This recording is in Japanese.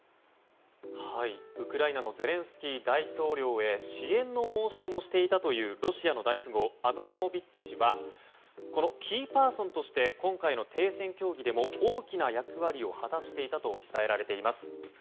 ウクライナのゼレンスキー大統領へ支援の申し出もしていたというロシアの大富豪アブラモビッチ氏はキーパーソンとして今回の停戦協議でも大きな役割を果たしていたと伝えられています。